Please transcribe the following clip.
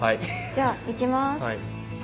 じゃあいきます！